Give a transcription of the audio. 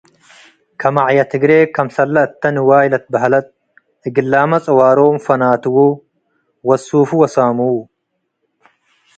ከመዕየ ትግሬ ክምሰለ እተ ንዋይ ለትበሀለት እግላመ ጽዋሮም ፈናትዉ ወሱፉ ወሳምዉ ።